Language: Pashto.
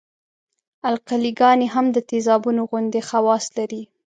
القلي ګانې هم د تیزابونو غوندې خواص لري.